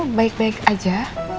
kamu baik baik aja